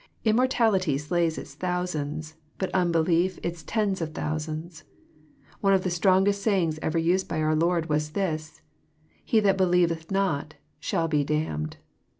Immortality slays its thousands, but unbelief its tens of thousands. One of the strongest sayings ever used by our Lord was this, —^' He that believeth not shall be damned."